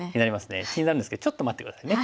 気になるんですけどちょっと待って下さいね。